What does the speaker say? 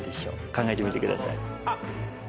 考えてみてください。